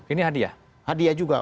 ini hadiah hadiah juga